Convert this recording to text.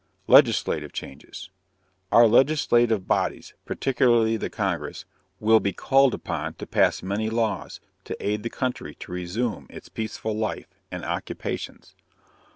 LEGISLATIVE CHANGES. Our legislative bodies, particularly the Congress, will be called upon to pass many laws to aid the country to resume its peaceful life and occupations.